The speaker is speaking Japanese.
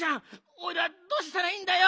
おいらどうしたらいいんだよ！？